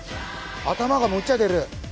頭がむっちゃ出る。